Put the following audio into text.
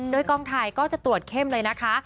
โดยกองถ่ายก็จะตรวจเข้มเลยนะคะ